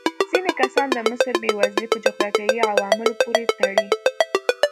ځینې کسان د مصر بېوزلي په جغرافیايي عواملو پورې تړي.